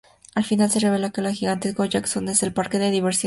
Al final, se revela que un gigantesco Jackson es el parque de diversiones.